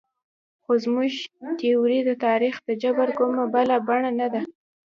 خو زموږ تیوري د تاریخ جبر کومه بله بڼه نه ده.